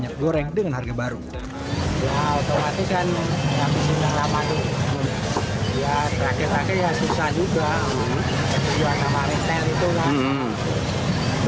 tapi barangnya belum nyampe